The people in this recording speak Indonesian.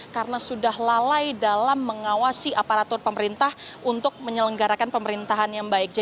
karena sudah lalai dalam mengawasi aparatur pemerintah untuk menyelenggarakan pemerintahan yang baik